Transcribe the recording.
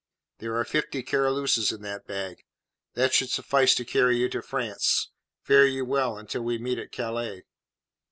"There are fifty Caroluses in that bag. That should suffice to carry you to France. Fare you well until we meet at Calais."